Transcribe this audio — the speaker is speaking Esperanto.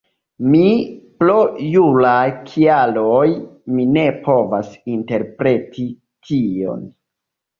Mi, pro juraj kialoj mi ne povas interpreti tion